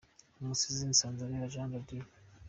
Umusizi Nsanzabera Jean de Dieu :.